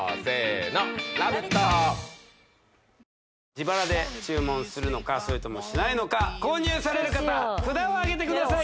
自腹で注文するのかそれともしないのか購入される方札をあげてください